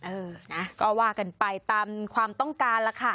เออนะก็ว่ากันไปตามความต้องการล่ะค่ะ